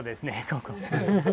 ここ。